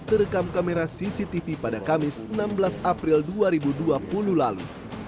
terekam kamera cctv pada kamis enam belas april dua ribu dua puluh lalu